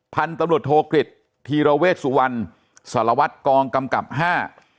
พันธุ์ตำรวจโทกฤษธีรเวชสุวรรณสารวัตรกองกำกับห้า